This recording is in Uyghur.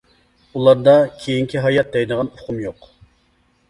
ئۇلاردا «كېيىنكى ھايات» دەيدىغان ئۇقۇم يوق.